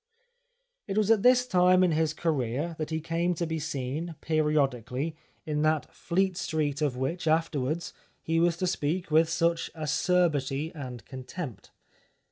It was at this time in his career that he came to be seen, periodically, in that Fleet Street of which, afterwards, he was to speak with such acerbity and contempt.